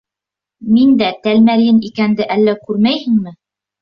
— Мин дә тәлмәрйен икәнде әллә күрмәйһеңме?